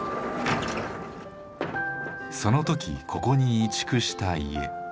その時ここに移築した家。